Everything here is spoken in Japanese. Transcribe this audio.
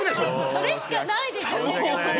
それしかないですよねでもね。